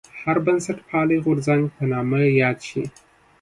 هر بنسټپالی غورځنګ په نامه یاد شي.